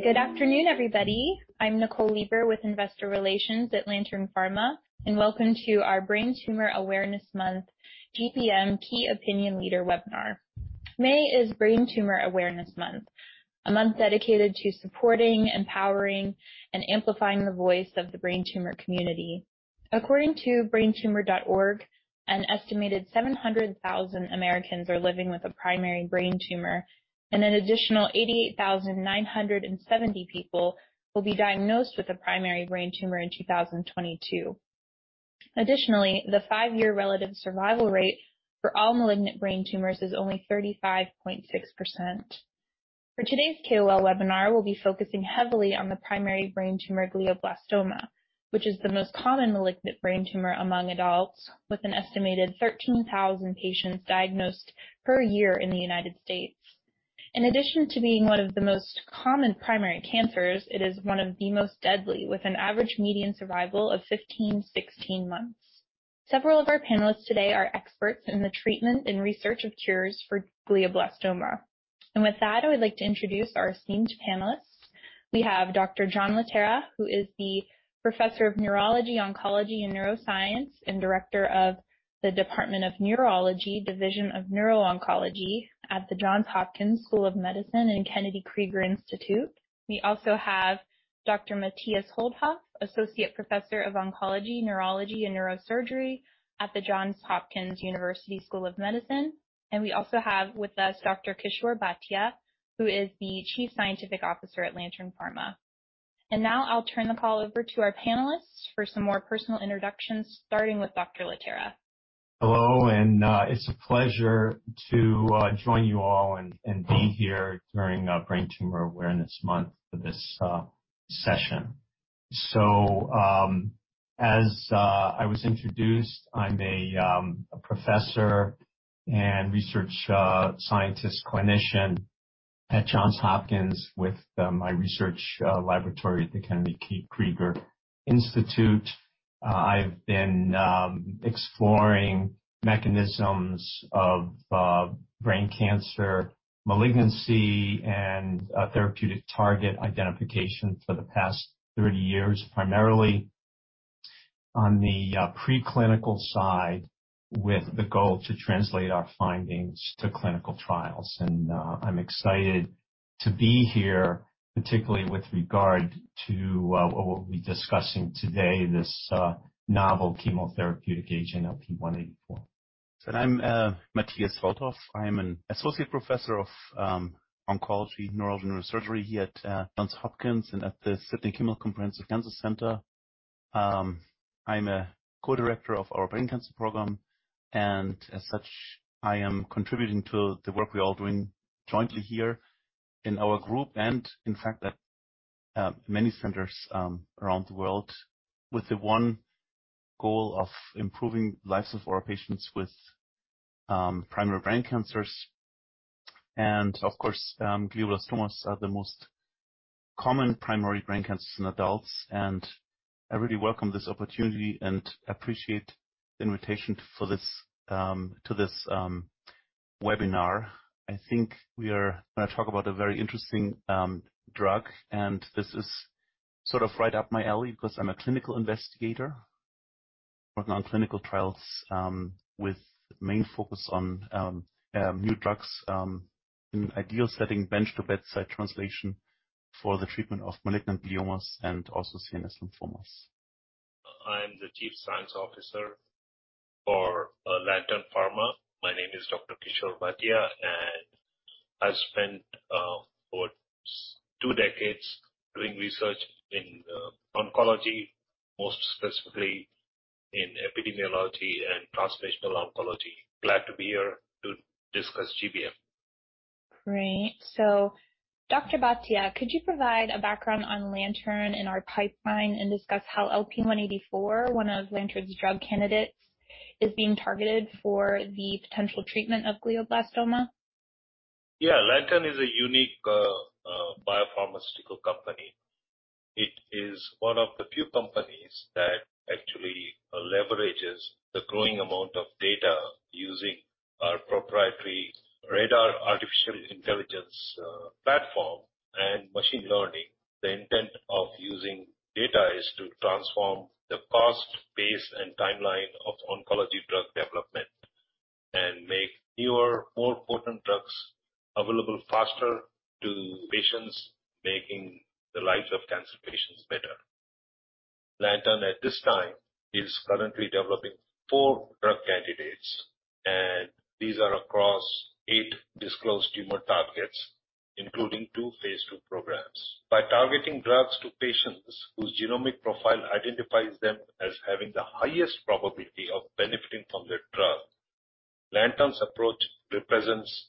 Hey, good afternoon, everybody. I'm Nicole Leber with Investor Relations at Lantern Pharma, and welcome to our Brain Tumor Awareness Month GBM Key Opinion Leader webinar. May is Brain Tumor Awareness Month, a month dedicated to supporting, empowering, and amplifying the voice of the brain tumor community. According to braintumor.org, an estimated 700,000 Americans are living with a primary brain tumor, and an additional 88,970 people will be diagnosed with a primary brain tumor in 2022. Additionally, the five-year relative survival rate for all malignant brain tumors is only 35.6%. For today's KOL webinar, we'll be focusing heavily on the primary brain tumor glioblastoma, which is the most common malignant brain tumor among adults, with an estimated 13,000 patients diagnosed per year in the United States. In addition to being one of the most common primary cancers, it is one of the most deadly, with an average median survival of 15-16 months. Several of our panelists today are experts in the treatment and research of cures for glioblastoma. With that, I would like to introduce our esteemed panelists. We have Dr. John Laterra, who is the professor of neurology, oncology, and neuroscience and director of the Department of Neurology, Division of Neuro-oncology at the Johns Hopkins School of Medicine and Kennedy Krieger Institute. We also have Dr. Matthias Holdhoff, Associate Professor of Oncology, Neurology, and Neurosurgery at the Johns Hopkins University School of Medicine. We also have with us Dr. Kishore Bhatia, who is the Chief Scientific Officer at Lantern Pharma. Now I'll turn the call over to our panelists for some more personal introductions, starting with Dr. Laterra. Hello, it's a pleasure to join you all and be here during Brain Tumor Awareness Month for this session. As I was introduced, I'm a professor and research scientist clinician at Johns Hopkins with my research laboratory at the Kennedy Krieger Institute. I've been exploring mechanisms of brain cancer malignancy and therapeutic target identification for the past 30 years, primarily on the pre-clinical side, with the goal to translate our findings to clinical trials. I'm excited to be here, particularly with regard to what we'll be discussing today, this novel chemotherapeutic agent, LP-184. I'm Matthias Holdhoff. I am an associate professor of oncology, neurosurgery here at Johns Hopkins and at the Sidney Kimmel Comprehensive Cancer Center. I'm a co-director of our brain cancer program, and as such, I am contributing to the work we are all doing jointly here in our group and in fact, at many centers around the world with the one goal of improving the lives of our patients with primary brain cancers. Of course, glioblastomas are the most common primary brain cancers in adults, and I really welcome this opportunity and appreciate the invitation for this webinar. I think we are going to talk about a very interesting drug, and this is sort of right up my alley because I'm a clinical investigator working on clinical trials with main focus on new drugs in ideal setting bench to bedside translation for the treatment of malignant gliomas and also CNS lymphomas. I'm the Chief Scientific Officer for Lantern Pharma. My name is Dr. Kishore Bhatia, and I've spent about 2 decades doing research in oncology, most specifically in epidemiology and translational oncology. Glad to be here to discuss GBM. Great. Dr. Bhatia, could you provide a background on Lantern and our pipeline and discuss how LP-184, one of Lantern's drug candidates, is being targeted for the potential treatment of glioblastoma? Yeah. Lantern is a unique biopharmaceutical company. It is one of the few companies that actually leverages the growing amount of data using our proprietary RADR artificial intelligence platform and machine learning. The intent of using data is to transform the cost, pace, and timeline of oncology drug development and make newer, more potent drugs available faster to patients, making the lives of cancer patients better. Lantern, at this time, is currently developing four drug candidates, and these are across eight disclosed tumor targets, including two phase 2 programs. By targeting drugs to patients whose genomic profile identifies them as having the highest probability of benefiting from the drug, Lantern's approach represents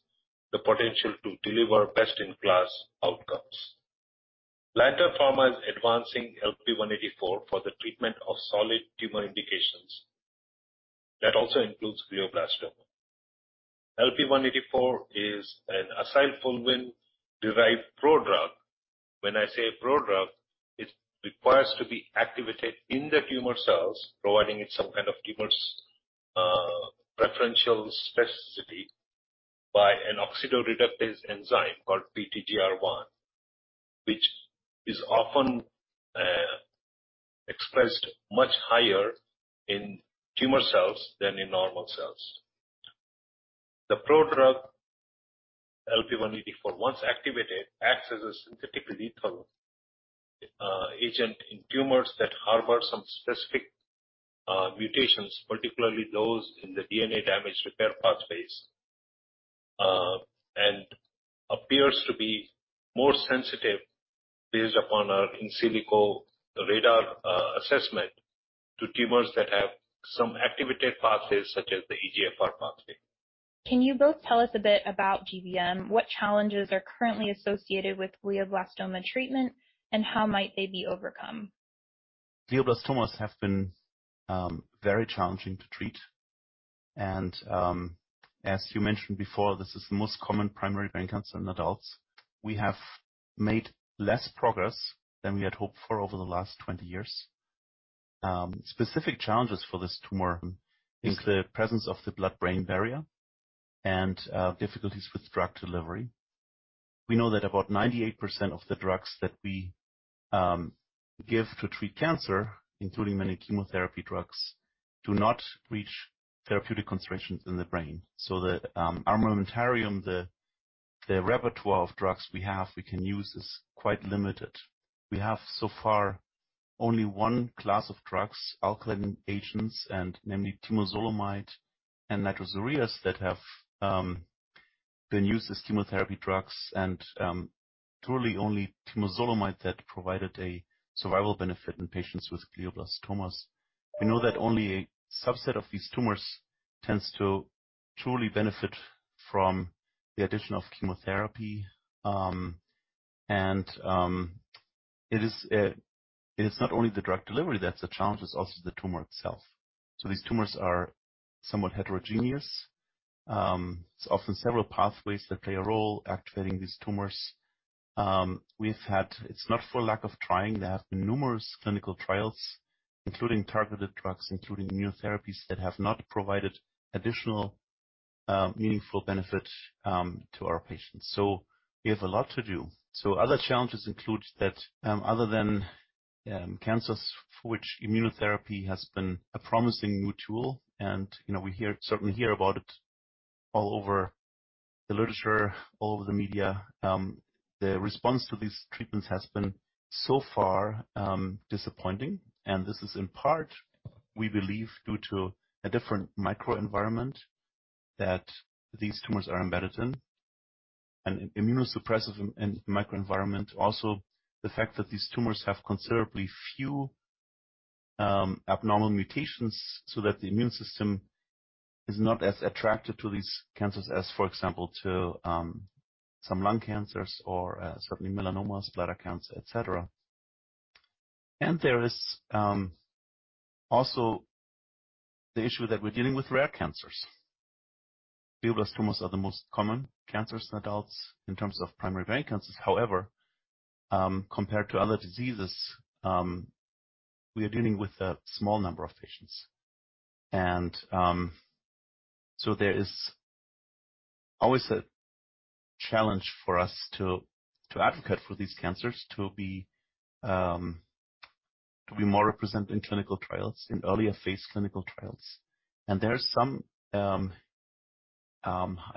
the potential to deliver best-in-class outcomes. Lantern Pharma is advancing LP-184 for the treatment of solid tumor indications. That also includes glioblastoma. LP-184 is an acylfulvene-derived prodrug. When I say prodrug, it requires to be activated in the tumor cells, providing it some kind of preferential specificity by an oxidoreductase enzyme called PTGR1, which is often expressed much higher in tumor cells than in normal cells. The prodrug LP-184, once activated, acts as a synthetic lethal agent in tumors that harbor some specific mutations, particularly those in the DNA damage repair pathways, and appears to be more sensitive based upon our in silico RADR assessment to tumors that have some activated pathways such as the EGFR pathway. Can you both tell us a bit about GBM? What challenges are currently associated with glioblastoma treatment, and how might they be overcome? Glioblastomas have been very challenging to treat and, as you mentioned before, this is the most common primary brain cancer in adults. We have made less progress than we had hoped for over the last 20 years. Specific challenges for this tumor include presence of the blood-brain barrier and, difficulties with drug delivery. We know that about 98% of the drugs that we give to treat cancer, including many chemotherapy drugs, do not reach therapeutic concentrations in the brain. That armamentarium, the repertoire of drugs we have, we can use, is quite limited. We have so far only one class of drugs, alkylating agents, and namely temozolomide and nitrosoureas, that have been used as chemotherapy drugs and, truly only temozolomide that provided a survival benefit in patients with glioblastomas. We know that only a subset of these tumors tends to truly benefit from the addition of chemotherapy, and it is not only the drug delivery that's a challenge, it's also the tumor itself. These tumors are somewhat heterogeneous. It's often several pathways that play a role activating these tumors. It's not for lack of trying. There have been numerous clinical trials, including targeted drugs, including immunotherapies that have not provided additional meaningful benefit to our patients. We have a lot to do. Other challenges include that, other than cancers for which immunotherapy has been a promising new tool, and you know, we certainly hear about it all over the literature, all over the media, the response to these treatments has been so far disappointing. This is in part, we believe, due to a different microenvironment that these tumors are embedded in, an immunosuppressive microenvironment. Also, the fact that these tumors have considerably few abnormal mutations so that the immune system is not as attracted to these cancers as, for example, to some lung cancers or certainly melanomas, bladder cancer, et cetera. There is also the issue that we're dealing with rare cancers. Glioblastomas are the most common cancers in adults in terms of primary brain cancers. However, compared to other diseases, we are dealing with a small number of patients. There is always a challenge for us to advocate for these cancers to be more represented in clinical trials, in earlier phase clinical trials. There's some I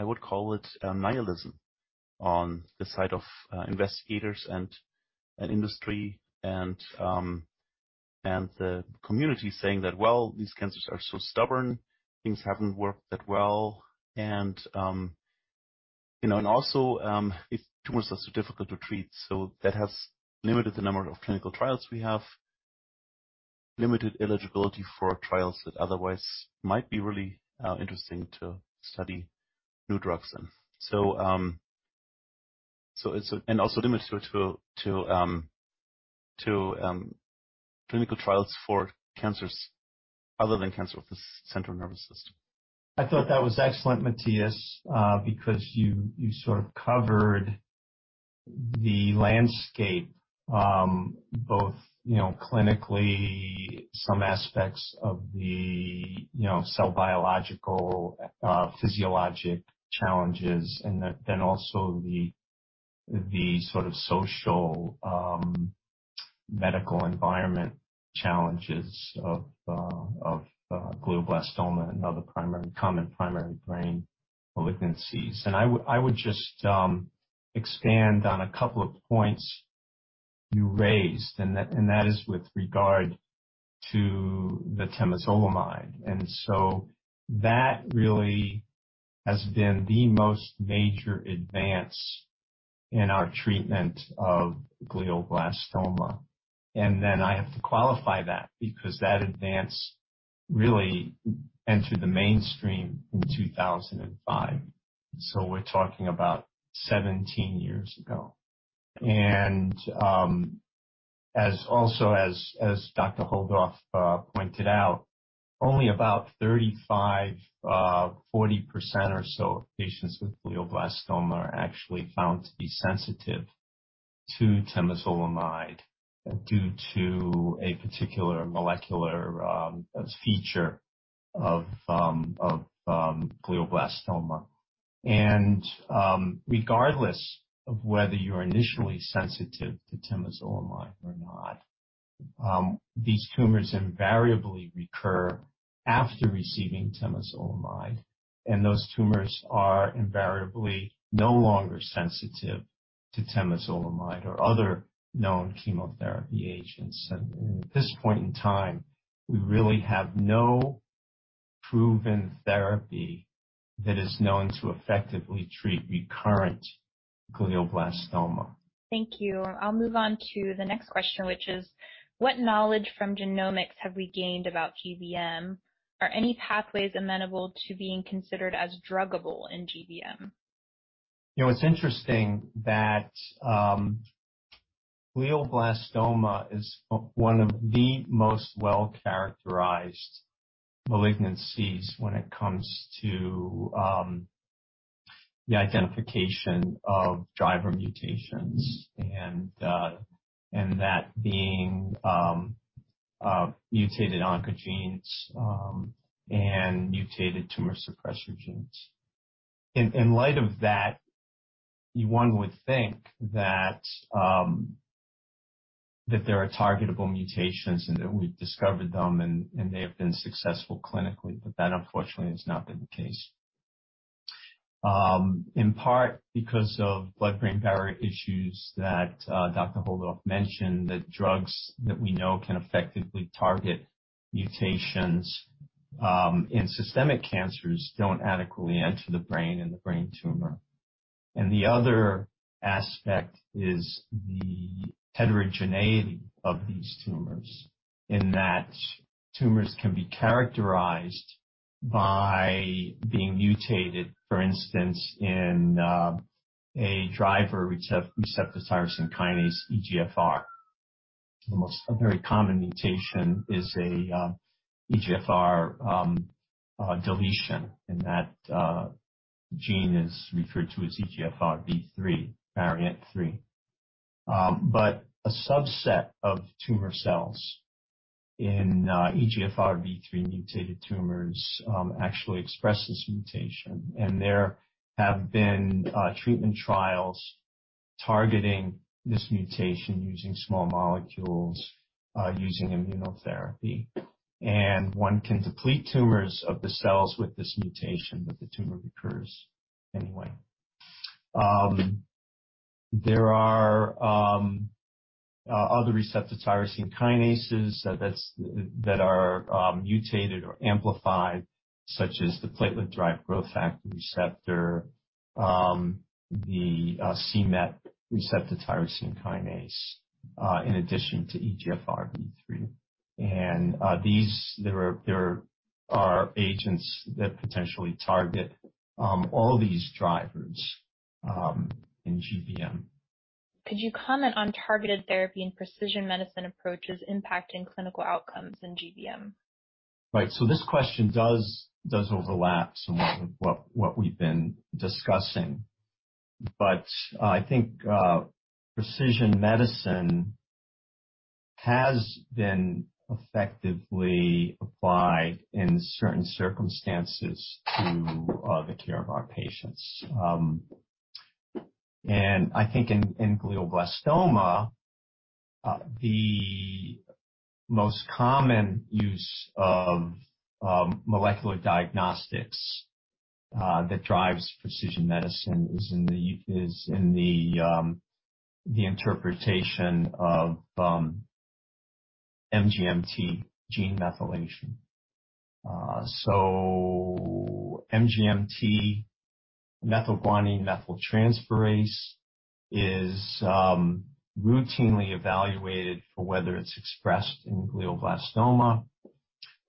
would call it nihilism on the side of investigators and industry and the community saying that, "Well, these cancers are so stubborn, things haven't worked that well." You know, and also if tumors are so difficult to treat, so that has limited the number of clinical trials we have, limited eligibility for trials that otherwise might be really interesting to study new drugs in. It's also limited to clinical trials for cancers other than cancer of the central nervous system. I thought that was excellent, Matthias, because you sort of covered the landscape, both you know clinically some aspects of the you know cell biological physiologic challenges, and then also the sort of social medical environment challenges of glioblastoma and other common primary brain malignancies. I would just expand on a couple of points you raised, and that is with regard to the temozolomide. That really has been the most major advance in our treatment of glioblastoma. I have to qualify that because that advance really entered the mainstream in 2005. We're talking about 17 years ago. As also as Dr. Holdhoff pointed out only about 35%-40% or so of patients with glioblastoma are actually found to be sensitive to temozolomide due to a particular molecular feature of glioblastoma. Regardless of whether you're initially sensitive to temozolomide or not, these tumors invariably recur after receiving temozolomide, and those tumors are invariably no longer sensitive to temozolomide or other known chemotherapy agents. At this point in time, we really have no proven therapy that is known to effectively treat recurrent glioblastoma. Thank you. I'll move on to the next question, which is: What knowledge from genomics have we gained about GBM? Are any pathways amenable to being considered as druggable in GBM? You know, it's interesting that glioblastoma is one of the most well-characterized malignancies when it comes to the identification of driver mutations and that being mutated oncogenes and mutated tumor suppressor genes. In light of that, one would think that there are targetable mutations and that we've discovered them, and they have been successful clinically. That, unfortunately, has not been the case. In part because of blood-brain barrier issues that Dr. Holdhoff mentioned, that drugs that we know can effectively target mutations in systemic cancers don't adequately enter the brain and the brain tumor. The other aspect is the heterogeneity of these tumors in that tumors can be characterized by being mutated, for instance, in a driver receptor tyrosine kinase, EGFR. The most A very common mutation is a EGFR deletion, and that gene is referred to as EGFRvIII, variant III. But a subset of tumor cells in EGFRvIII mutated tumors actually express this mutation, and there have been treatment trials targeting this mutation using small molecules using immunotherapy. One can deplete tumors of the cells with this mutation, but the tumor recurs anyway. There are other receptor tyrosine kinases that are mutated or amplified, such as the platelet-derived growth factor receptor, the c-Met receptor tyrosine kinase, in addition to EGFRvIII. There are agents that potentially target all these drivers in GBM. Could you comment on targeted therapy and precision medicine approaches impacting clinical outcomes in GBM? Right. This question does overlap some of what we've been discussing. I think precision medicine has been effectively applied in certain circumstances to the care of our patients. I think in glioblastoma the most common use of molecular diagnostics that drives precision medicine is in the interpretation of MGMT gene methylation. MGMT, O6-methylguanine-DNA methyltransferase, is routinely evaluated for whether it's expressed in glioblastoma.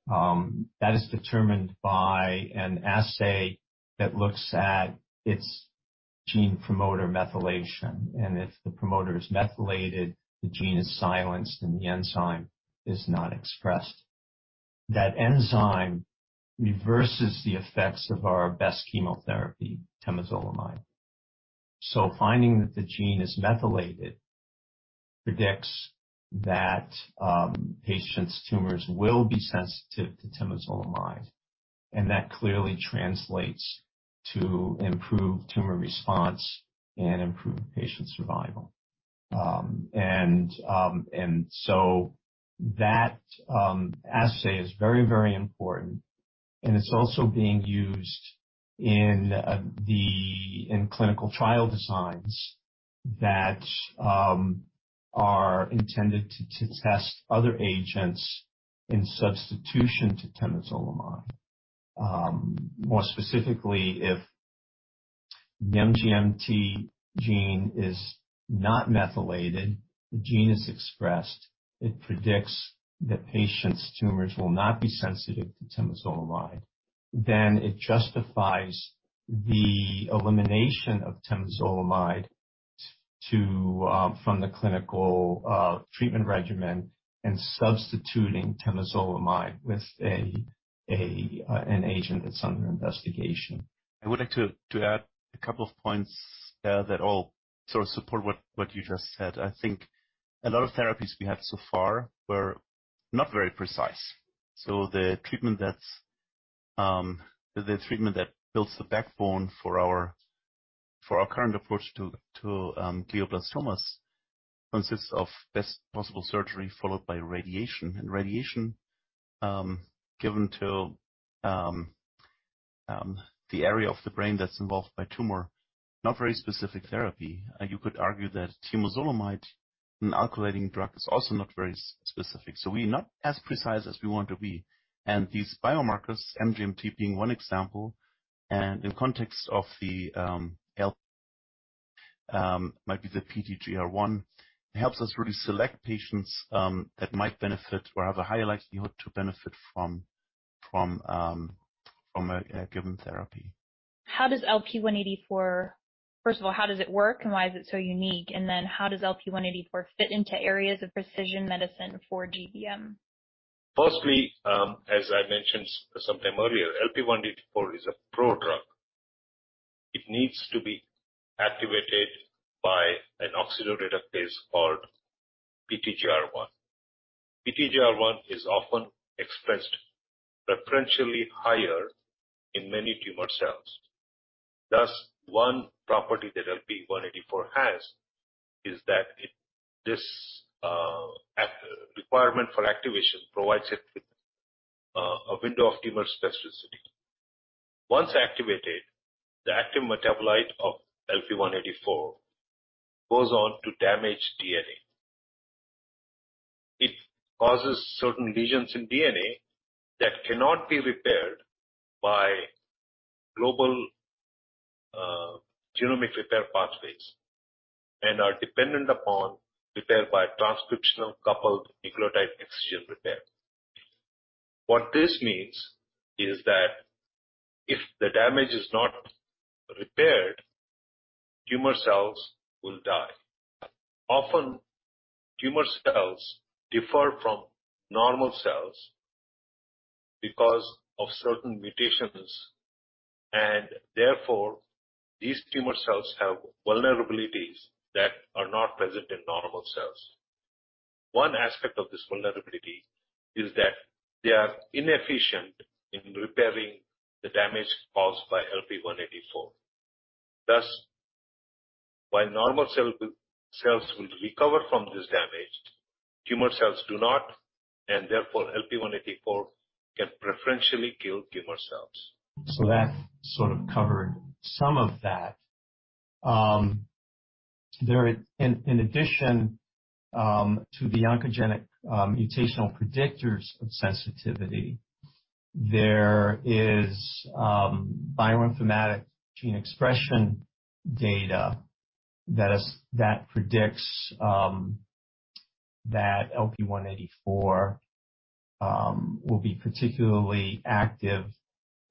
That is determined by an assay that looks at its gene promoter methylation, and if the promoter is methylated, the gene is silenced, and the enzyme is not expressed. That enzyme reverses the effects of our best chemotherapy, temozolomide. Finding that the gene is methylated predicts that patient's tumors will be sensitive to temozolomide, and that clearly translates to improved tumor response and improved patient survival. That assay is very, very important, and it's also being used in clinical trial designs that are intended to test other agents in substitution to temozolomide. More specifically, if the MGMT gene is not methylated, the gene is expressed. It predicts that patients' tumors will not be sensitive to temozolomide. It justifies the elimination of temozolomide to from the clinical treatment regimen and substituting temozolomide with an agent that's under investigation. I would like to add a couple of points that all sort of support what you just said. I think a lot of therapies we have so far were not very precise. The treatment that builds the backbone for our current approach to glioblastomas consists of best possible surgery, followed by radiation. Radiation given to the area of the brain that's involved by tumor, not very specific therapy. You could argue that temozolomide, an alkylating drug, is also not very specific. We're not as precise as we want to be. These biomarkers, MGMT being one example, and in context of the L might be the PTGR1, helps us really select patients that might benefit or have a higher likelihood to benefit from a given therapy. First of all, how does it work and why is it so unique? How does LP-184 fit into areas of precision medicine for GBM? Firstly, as I mentioned some time earlier, LP-184 is a prodrug. It needs to be activated by an oxidoreductase called PTGR1. PTGR1 is often expressed preferentially higher in many tumor cells. Thus, one property that LP-184 has is that requirement for activation provides it with a window of tumor specificity. Once activated, the active metabolite of LP-184 goes on to damage DNA. It causes certain lesions in DNA that cannot be repaired by global genomic repair pathways and are dependent upon repair by transcription-coupled nucleotide excision repair. What this means is that if the damage is not repaired, tumor cells will die. Often, tumor cells differ from normal cells because of certain mutations, and therefore, these tumor cells have vulnerabilities that are not present in normal cells. One aspect of this vulnerability is that they are inefficient in repairing the damage caused by LP-184. Thus, while normal cells will recover from this damage, tumor cells do not, and therefore LP-184 can preferentially kill tumor cells. That sort of covered some of that. In addition to the oncogenic mutational predictors of sensitivity, there is bioinformatic gene expression data that predicts that LP-184 will be particularly active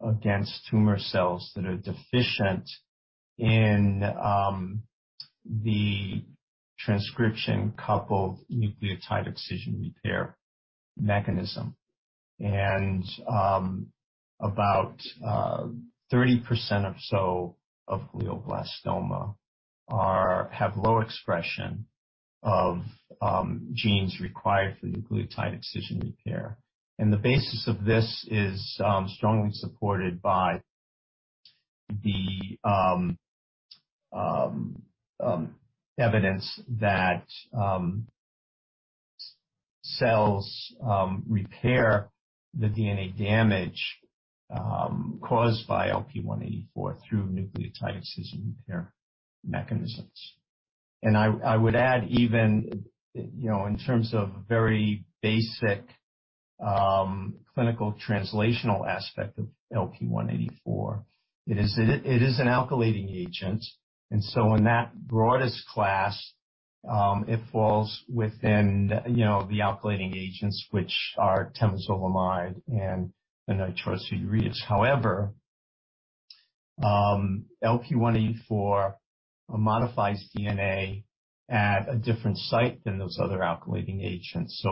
against tumor cells that are deficient in the transcription-coupled nucleotide excision repair mechanism. About 30% or so of glioblastoma have low expression of genes required for nucleotide excision repair. The basis of this is strongly supported by the evidence that cells repair the DNA damage caused by LP-184 through nucleotide excision repair mechanisms. I would add even, you know, in terms of very basic clinical translational aspect of LP-184, it is an alkylating agent. In that broadest class, it falls within, you know, the alkylating agents which are temozolomide and the nitrosoureas. However, LP-184 modifies DNA at a different site than those other alkylating agents.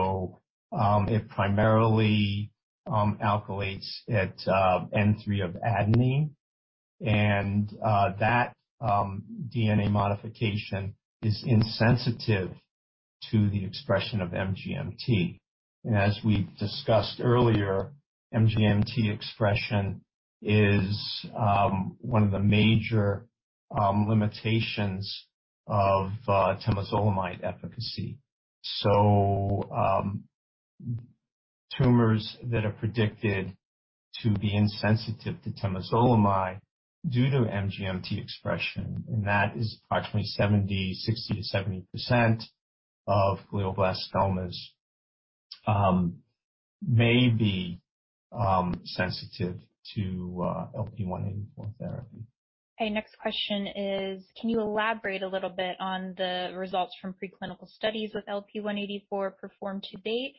It primarily alkylates at N3 of adenine, and that DNA modification is insensitive to the expression of MGMT. As we discussed earlier, MGMT expression is one of the major limitations of temozolomide efficacy. Tumors that are predicted to be insensitive to temozolomide due to MGMT expression, and that is approximately 60%-70% of glioblastomas, may be sensitive to LP-184 therapy. Okay. Next question is, can you elaborate a little bit on the results from preclinical studies with LP-184 performed to date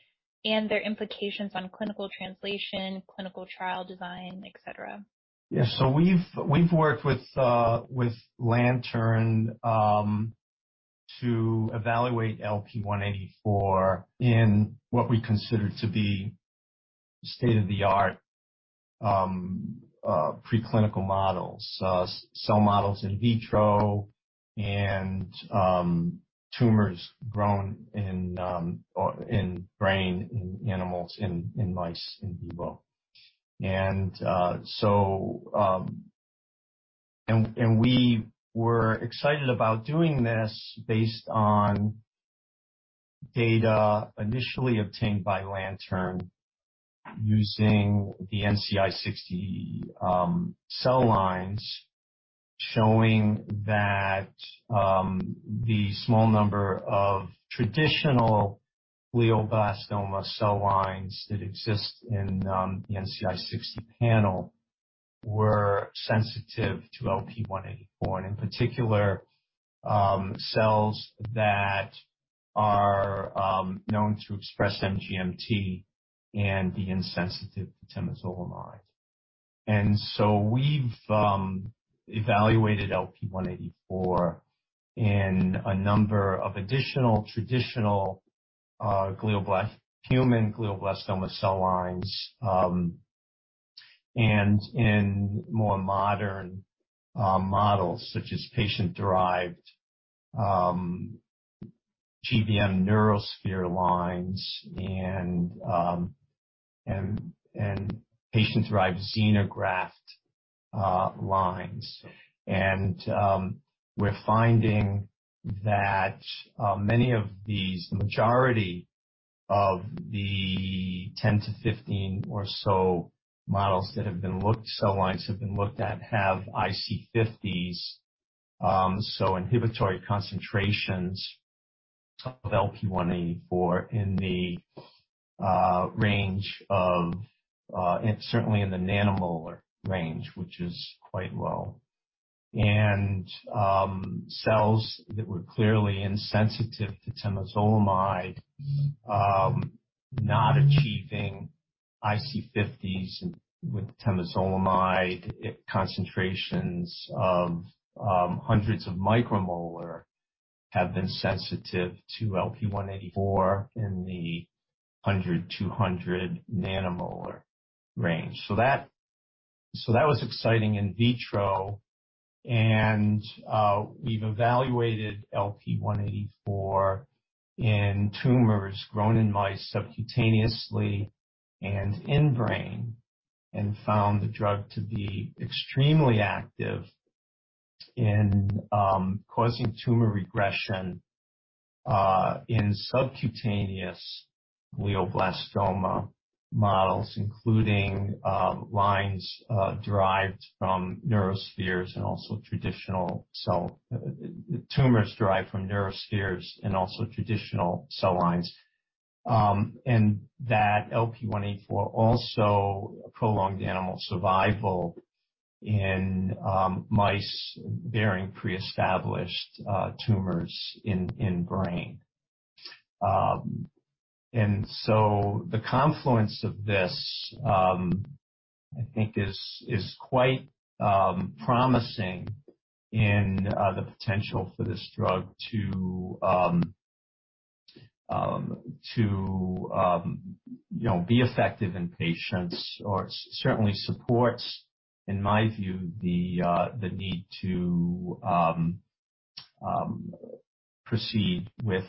and their implications on clinical translation, clinical trial design, et cetera? Yeah. We've worked with Lantern to evaluate LP-184 in what we consider to be state-of-the-art preclinical models, cell models in vitro and tumors grown in or in brain, in animals, in mice, in vivo. We were excited about doing this based on data initially obtained by Lantern using the NCI-60 cell lines, showing that the small number of traditional glioblastoma cell lines that exist in the NCI-60 panel were sensitive to LP-184 and in particular, cells that are known to express MGMT and be insensitive to temozolomide. We've evaluated LP-184 in a number of additional traditional human glioblastoma cell lines and in more modern models such as patient-derived GBM neurosphere lines and patient-derived xenograft lines. We're finding that many of these majority of the 10-15 or so models that have been looked at have IC50s, inhibitory concentrations of LP-184 in the range of certainly in the nanomolar range, which is quite low. Cells that were clearly insensitive to temozolomide, not achieving IC50s with temozolomide at concentrations of hundreds of micromolar, have been sensitive to LP-184 in the 100-200 nanomolar range. That was exciting in vitro. We've evaluated LP-184 in tumors grown in mice subcutaneously and in brain, and found the drug to be extremely active in causing tumor regression in subcutaneous glioblastoma models, including tumors derived from neurospheres and also traditional cell lines. That LP-184 also prolonged animal survival in mice bearing pre-established tumors in brain. The confluence of this, I think, is quite promising in the potential for this drug to, you know, be effective in patients or certainly supports, in my view, the need to proceed with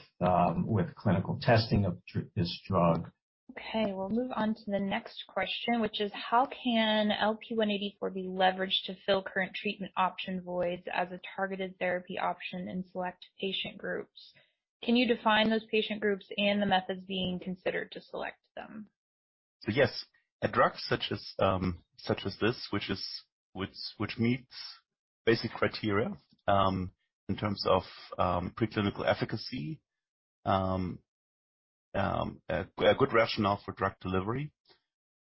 clinical testing of this drug. Okay, we'll move on to the next question, which is: How can LP-184 be leveraged to fill current treatment option voids as a targeted therapy option in select patient groups? Can you define those patient groups and the methods being considered to select them? Yes. A drug such as this, which meets basic criteria, in terms of preclinical efficacy, a good rationale for drug delivery,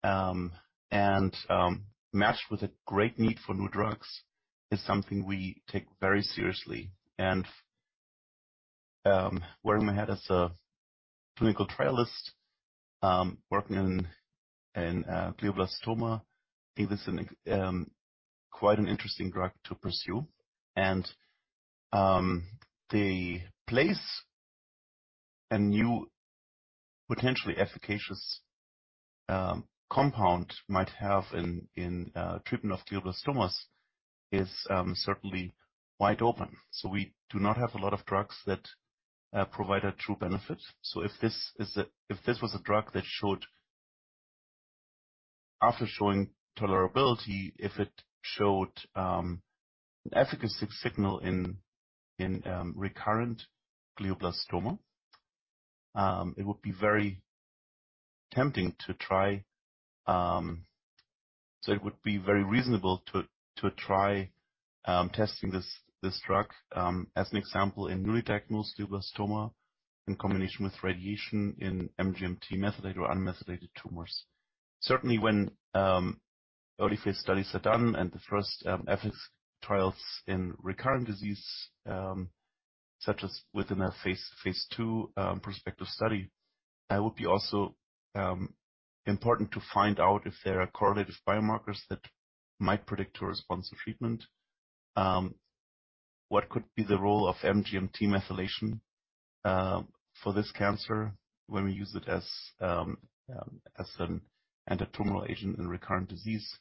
and matched with a great need for new drugs, is something we take very seriously. Wearing my hat as a clinical trialist, working in glioblastoma, I think this is quite an interesting drug to pursue. The place a new potentially efficacious compound might have in treatment of glioblastomas is certainly wide open. We do not have a lot of drugs that provide a true benefit. If this was a drug that showed, after showing tolerability, if it showed an efficacy signal in recurrent glioblastoma, it would be very tempting to try. It would be very reasonable to try testing this drug as an example in newly diagnosed glioblastoma in combination with radiation in MGMT methylated or unmethylated tumors. Certainly when early phase studies are done and the first phase I trials in recurrent disease such as within a phase 2 prospective study. That would also be important to find out if there are correlative biomarkers that might predict a response to treatment. What could be the role of MGMT methylation for this cancer when we use it as an antitumor agent in recurrent disease?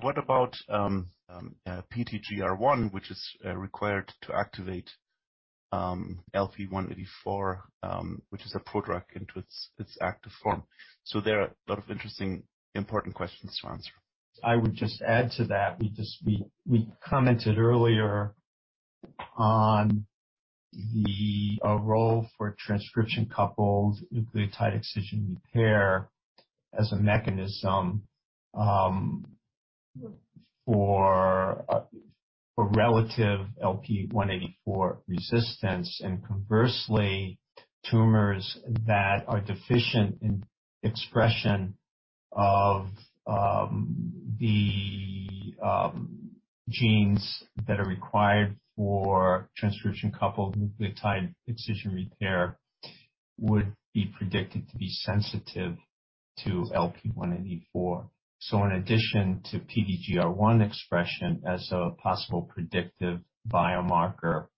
What about PTGR1, which is required to activate LP-184, which is a prodrug into its active form. There are a lot of interesting important questions to answer. I would just add to that, we commented earlier on the role for transcription-coupled nucleotide excision repair as a mechanism for relative LP-184 resistance. Conversely, tumors that are deficient in expression of the genes that are required for transcription-coupled nucleotide excision repair would be predicted to be sensitive to LP-184. In addition to PTGR1 expression as a possible predictive biomarker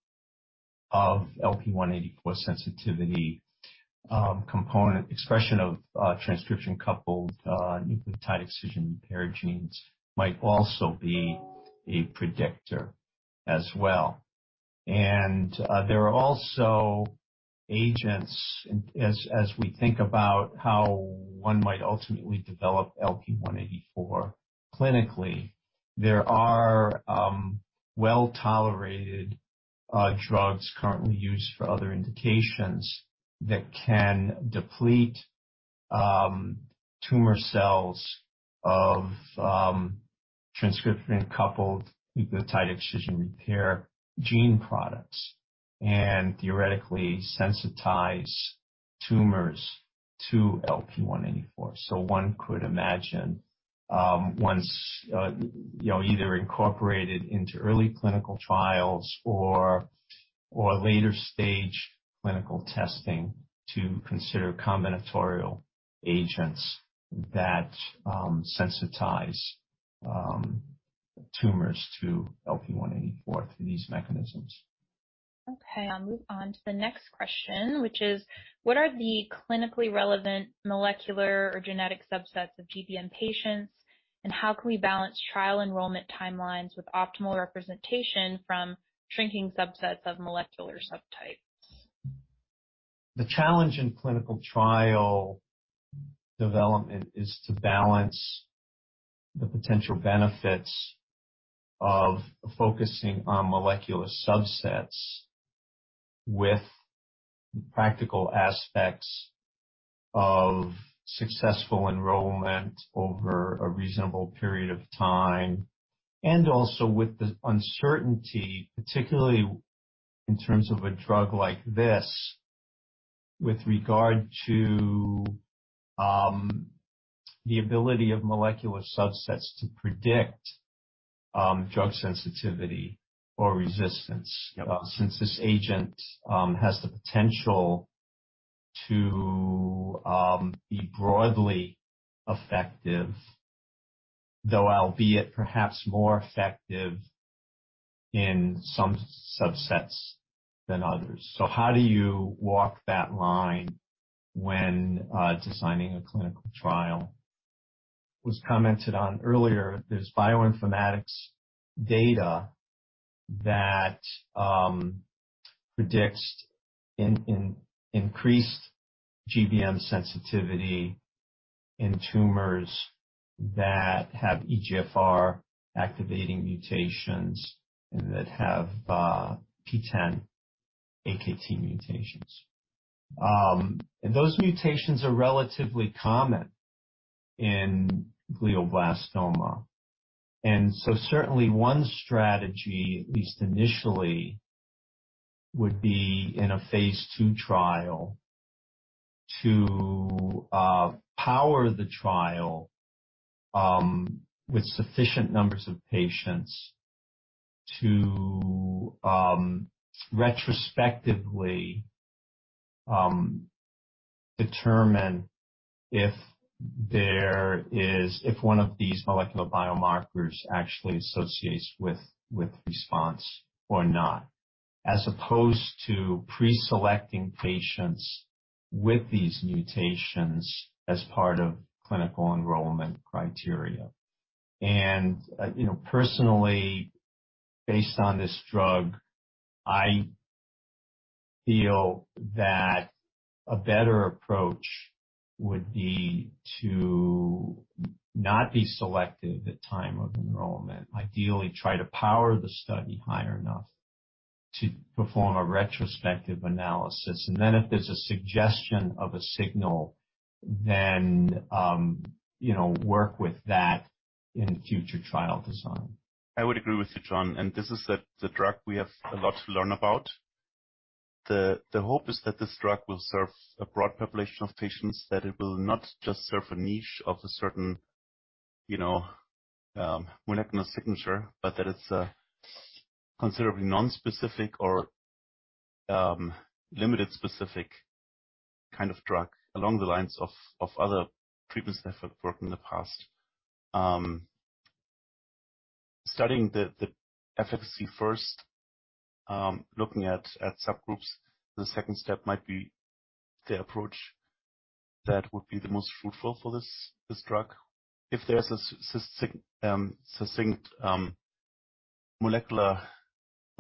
of LP-184 sensitivity, component expression of transcription-coupled nucleotide excision repair genes might also be a predictor as well. There are also agents, and as we think about how one might ultimately develop LP-184 clinically, there are well-tolerated drugs currently used for other indications that can deplete tumor cells of transcription-coupled nucleotide excision repair gene products and theoretically sensitize tumors to LP-184. One could imagine once you know either incorporated into early clinical trials or later stage clinical testing to consider combinatorial agents that sensitize tumors to LP-184 through these mechanisms. Okay, I'll move on to the next question, which is: What are the clinically relevant molecular or genetic subsets of GBM patients, and how can we balance trial enrollment timelines with optimal representation from shrinking subsets of molecular subtypes? The challenge in clinical trial development is to balance the potential benefits of focusing on molecular subsets with practical aspects of successful enrollment over a reasonable period of time, and also with the uncertainty, particularly in terms of a drug like this, with regard to the ability of molecular subsets to predict drug sensitivity or resistance. Yeah. Since this agent has the potential to be broadly effective, though albeit perhaps more effective in some subsets than others. How do you walk that line when designing a clinical trial? As was commented on earlier, there's bioinformatics data that predicts increased GBM sensitivity in tumors that have EGFR activating mutations and that have PTEN AKT mutations. Those mutations are relatively common in glioblastoma. Certainly one strategy, at least initially, would be in a phase two trial to power the trial with sufficient numbers of patients to retrospectively determine if one of these molecular biomarkers actually associates with response or not, as opposed to pre-selecting patients with these mutations as part of clinical enrollment criteria. You know, personally, based on this drug, I feel that a better approach would be to not be selective at time of enrollment. Ideally, try to power the study high enough to perform a retrospective analysis, and then if there's a suggestion of a signal, then, you know, work with that in future trial design. I would agree with you, John, and this is that the drug we have a lot to learn about. The hope is that this drug will serve a broad population of patients, that it will not just serve a niche of a certain, you know, molecular signature, but that it's a considerably non-specific or limited specific kind of drug along the lines of other treatments that have worked in the past. Studying the efficacy first, looking at subgroups, the second step might be the approach that would be the most fruitful for this drug. If there's a succinct molecular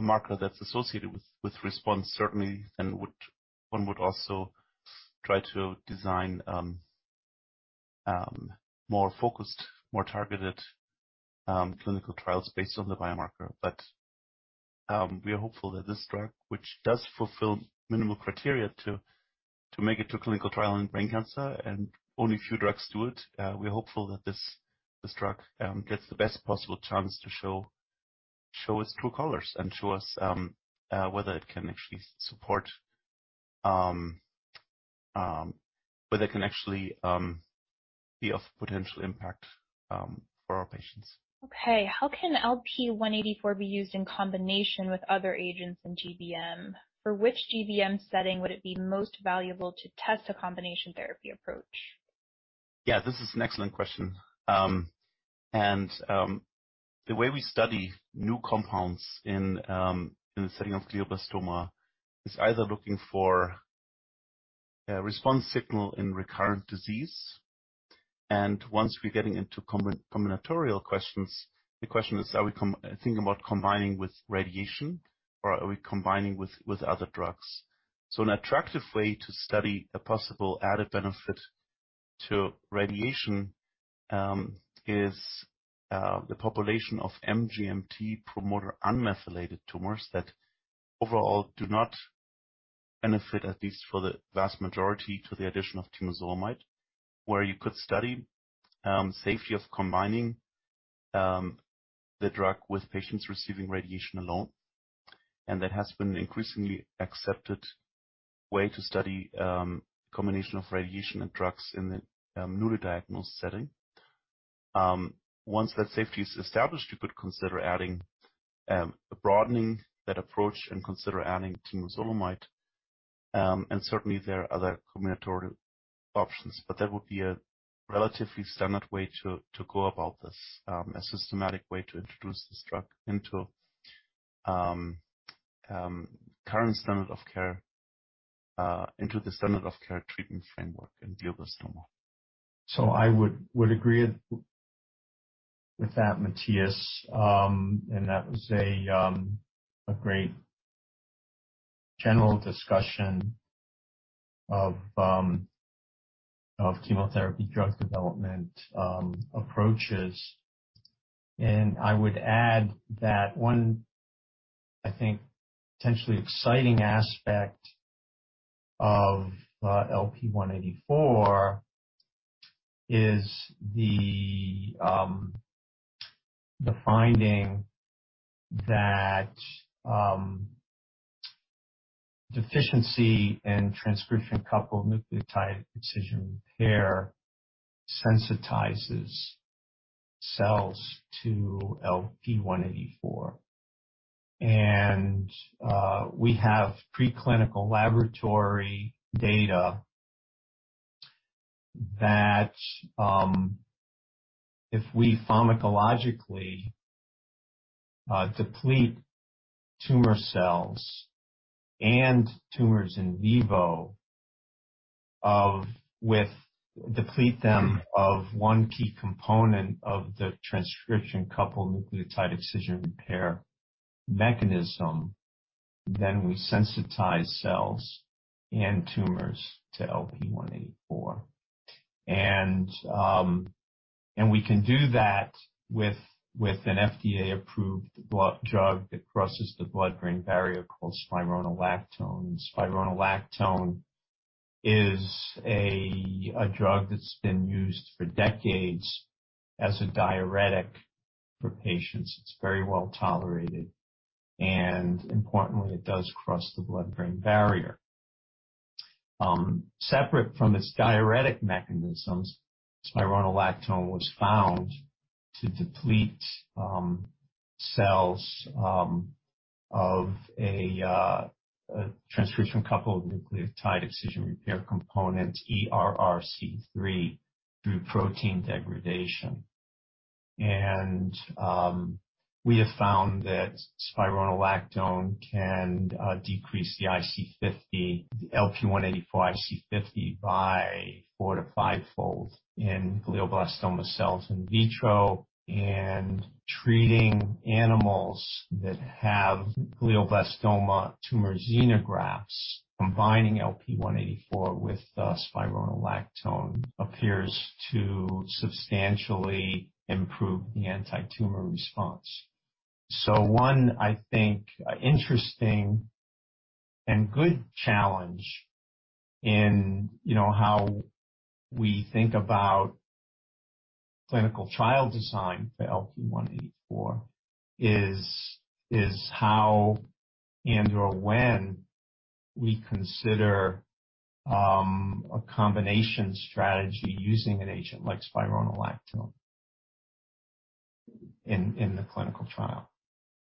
marker that's associated with response, certainly then one would also try to design more focused, more targeted clinical trials based on the biomarker. We are hopeful that this drug, which does fulfill minimal criteria to make it to a clinical trial in brain cancer, and only a few drugs do it. We're hopeful that this drug gets the best possible chance to show its true colors and show us whether it can actually be of potential impact for our patients. Okay. How can LP-184 be used in combination with other agents in GBM? For which GBM setting would it be most valuable to test a combination therapy approach? Yeah, this is an excellent question. The way we study new compounds in the setting of glioblastoma is either looking for a response signal in recurrent disease, and once we're getting into combinatorial questions, the question is, are we thinking about combining with radiation or are we combining with other drugs? An attractive way to study a possible added benefit to radiation is the population of MGMT promoter unmethylated tumors that overall do not benefit, at least for the vast majority, to the addition of temozolomide, where you could study safety of combining the drug with patients receiving radiation alone. That has been an increasingly accepted way to study combination of radiation and drugs in the newly diagnosed setting. Once that safety is established, you could consider adding, broadening that approach and consider adding temozolomide. Certainly there are other combinatory options, but that would be a relatively standard way to go about this, a systematic way to introduce this drug into current standard of care, into the standard of care treatment framework in glioblastoma. I would agree with that, Matthias. That was a great general discussion of chemotherapy drug development approaches. I would add that one potentially exciting aspect of LP-184 is the finding that deficiency in transcription-coupled nucleotide excision repair sensitizes cells to LP-184. We have preclinical laboratory data that if we pharmacologically deplete tumor cells and tumors in vivo of one key component of the transcription-coupled nucleotide excision repair mechanism, then we sensitize cells and tumors to LP-184. We can do that with an FDA-approved drug that crosses the blood-brain barrier called spironolactone. Spironolactone is a drug that's been used for decades as a diuretic for patients. It's very well tolerated, and importantly, it does cross the blood-brain barrier. Separate from its diuretic mechanisms, spironolactone was found to deplete cells of a transcription-coupled nucleotide excision repair component, ERCC3, through protein degradation. We have found that spironolactone can decrease the IC50, the LP-184 IC50 by 4- to 5-fold in glioblastoma cells in vitro. Treating animals that have glioblastoma tumor xenografts, combining LP-184 with spironolactone appears to substantially improve the anti-tumor response. One, I think, interesting and good challenge in, you know, how we think about clinical trial design for LP-184 is how and/or when we consider a combination strategy using an agent like spironolactone in the clinical trial.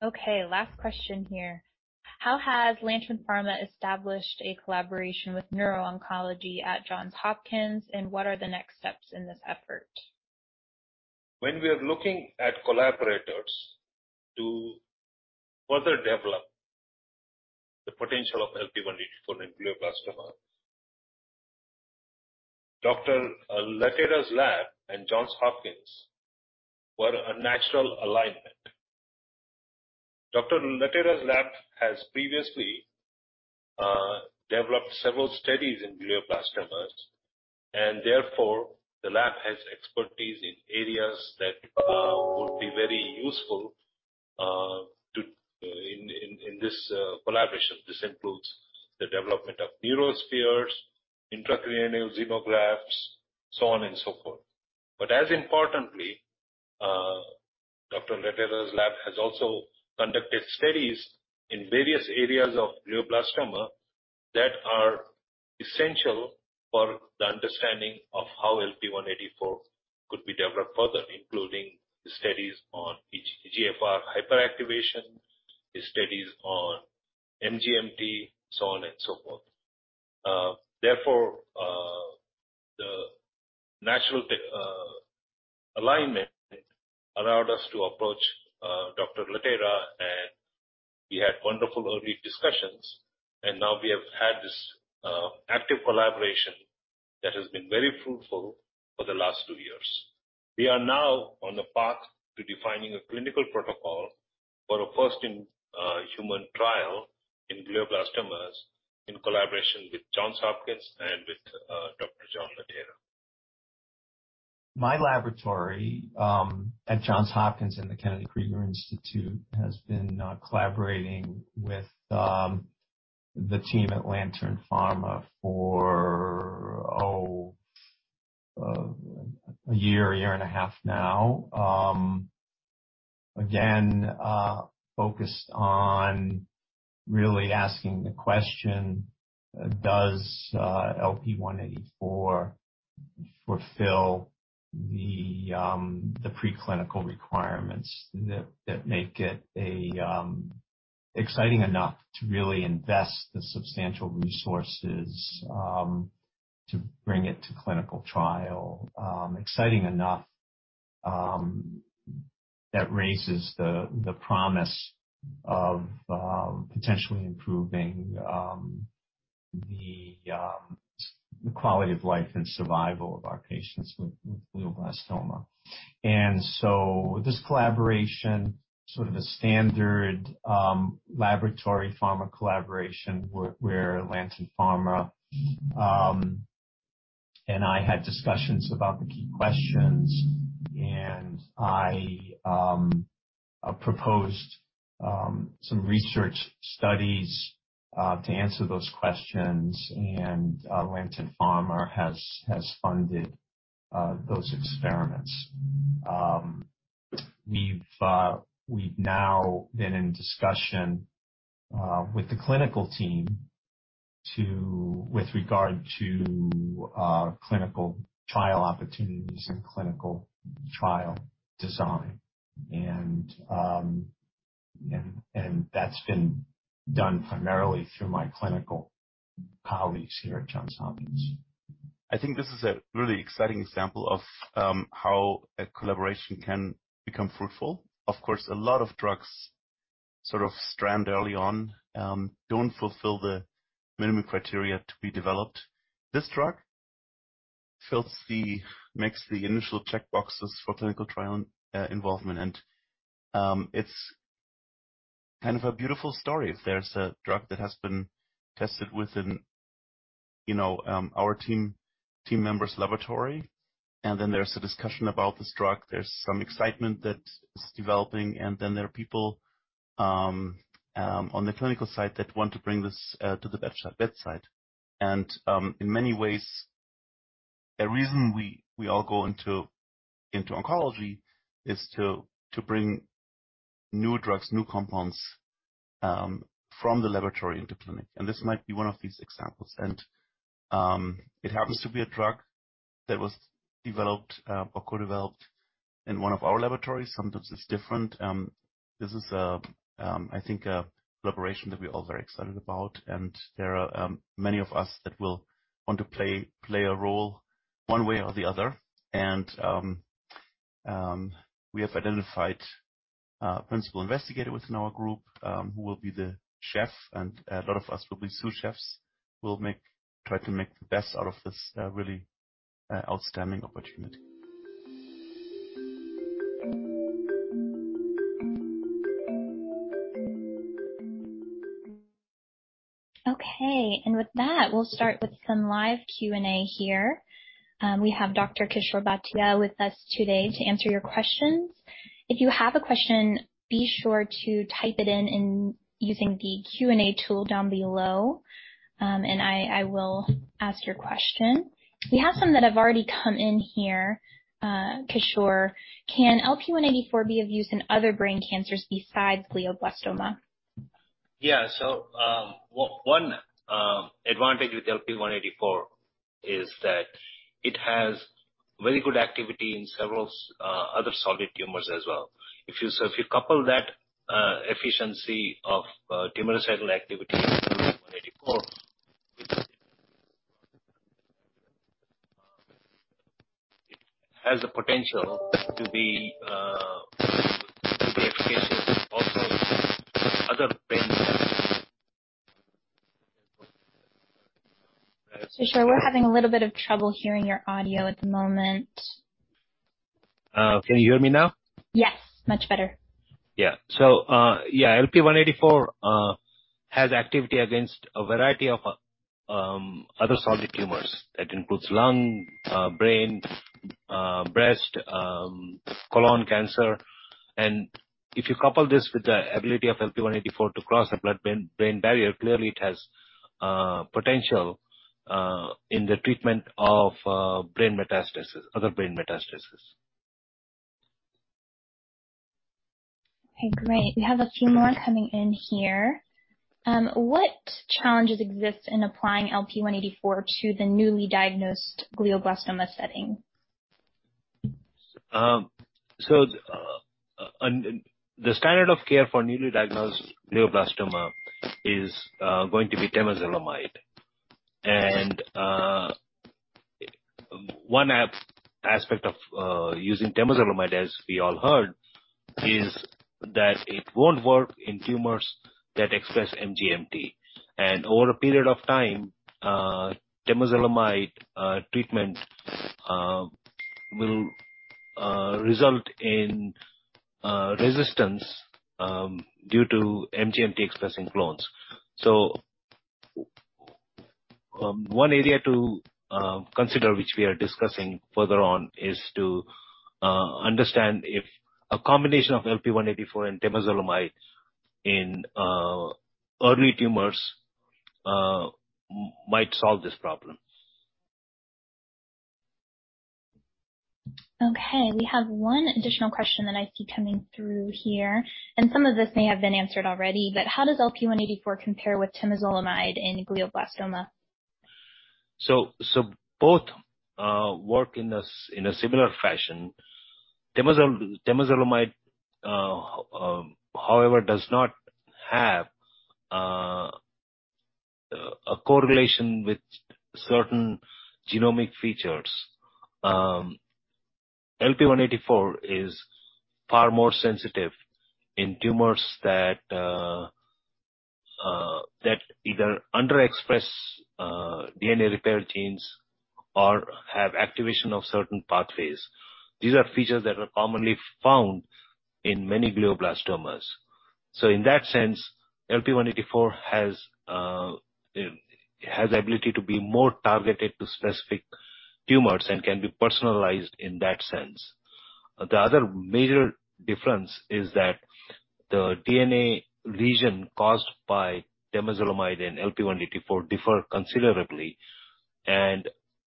Okay, last question here. How has Lantern Pharma established a collaboration with neuro-oncology at Johns Hopkins, and what are the next steps in this effort? When we are looking at collaborators to further develop the potential of LP-184 in glioblastoma, Dr. Laterra's lab and Johns Hopkins were a natural alignment. Dr. Laterra's lab has previously developed several studies in glioblastomas, and therefore the lab has expertise in areas that would be very useful in this collaboration. This includes the development of neurospheres, intracranial xenografts, so on and so forth. As importantly, Dr. Laterra's lab has also conducted studies in various areas of glioblastoma that are essential for the understanding of how LP-184 could be developed further, including the studies on EGFR hyperactivation, the studies on MGMT, so on and so forth. Therefore, the natural alignment allowed us to approach Dr. Laterra, and we had wonderful early discussions, and now we have had this active collaboration that has been very fruitful for the last two years. We are now on the path to defining a clinical protocol for a first in human trial in glioblastomas in collaboration with Johns Hopkins and with Dr. John Laterra. My laboratory at Johns Hopkins in the Kennedy Krieger Institute has been collaborating with the team at Lantern Pharma for a year and a half now. Again, focused on really asking the question, does LP-184 fulfill the preclinical requirements that make it exciting enough to really invest the substantial resources to bring it to clinical trial, exciting enough that raises the promise of potentially improving the quality of life and survival of our patients with glioblastoma. This collaboration, sort of a standard laboratory pharma collaboration where Lantern Pharma and I had discussions about the key questions and I proposed some research studies to answer those questions. Lantern Pharma has funded those experiments. We've now been in discussion with the clinical team with regard to clinical trial opportunities and clinical trial design. That's been done primarily through my clinical colleagues here at Johns Hopkins. I think this is a really exciting example of how a collaboration can become fruitful. Of course, a lot of drugs sort of strand early on, don't fulfill the minimum criteria to be developed. This drug makes the initial checkboxes for clinical trial involvement. It's kind of a beautiful story. If there's a drug that has been tested within, you know, our team member's laboratory, and then there's a discussion about this drug, there's some excitement that is developing, and then there are people on the clinical side that want to bring this to the bedside. In many ways, a reason we all go into oncology is to bring new drugs, new compounds from the laboratory into clinic. This might be one of these examples. It happens to be a drug that was developed, or co-developed in one of our laboratories. Sometimes it's different. This is a, I think a collaboration that we're all very excited about. There are many of us that will want to play a role one way or the other. We have identified a principal investigator within our group, who will be the chef, and a lot of us will be sous chefs. We'll try to make the best out of this, really, outstanding opportunity. Okay. With that, we'll start with some live Q&A here. We have Dr. Kishore Bhatia with us today to answer your questions. If you have a question, be sure to type it in using the Q&A tool down below. I will ask your question. We have some that have already come in here. Kishore, can LP-184 be of use in other brain cancers besides glioblastoma? Yeah. One advantage with LP-184 is that it has very good activity in several other solid tumors as well. If you couple that efficiency of tumoricidal activity, 184, it has the potential to be efficient also other brain tumors. Kishor, we're having a little bit of trouble hearing your audio at the moment. Can you hear me now? Yes, much better. LP-184 has activity against a variety of other solid tumors. That includes lung, brain, breast, colon cancer. If you couple this with the ability of LP-184 to cross the blood-brain barrier, clearly it has potential in the treatment of brain metastases, other brain metastases. Okay, great. We have a few more coming in here. What challenges exist in applying LP-184 to the newly diagnosed glioblastoma setting? The standard of care for newly diagnosed glioblastoma is going to be temozolomide. One aspect of using temozolomide, as we all heard, is that it won't work in tumors that express MGMT. Over a period of time, temozolomide treatment will result in resistance due to MGMT expressing clones. One area to consider which we are discussing further on is to understand if a combination of LP-184 and temozolomide in early tumors might solve this problem. Okay. We have one additional question that I see coming through here, and some of this may have been answered already, but how does LP-184 compare with temozolomide in glioblastoma? Both work in a similar fashion. Temozolomide, however, does not have a correlation with certain genomic features. LP-184 is far more sensitive in tumors that either underexpress DNA repair genes or have activation of certain pathways. These are features that are commonly found in many glioblastomas. In that sense, LP-184 has ability to be more targeted to specific tumors and can be personalized in that sense. The other major difference is that the DNA lesion caused by temozolomide and LP-184 differ considerably. The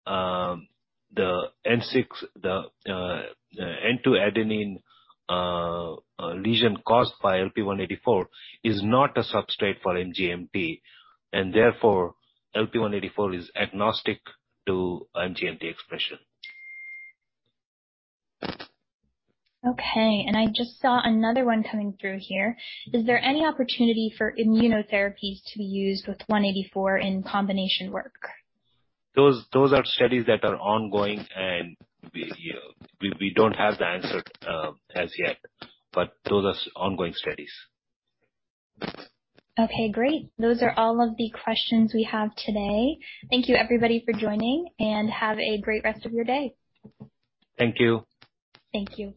N3 adenine lesion caused by LP-184 is not a substrate for MGMT, and therefore LP-184 is agnostic to MGMT expression. Okay. I just saw another one coming through here. Is there any opportunity for immunotherapies to be used with LP-184 in combination work? Those are studies that are ongoing, and we don't have the answer as yet, but those are ongoing studies. Okay, great. Those are all of the questions we have today. Thank you, everybody, for joining, and have a great rest of your day. Thank you. Thank you.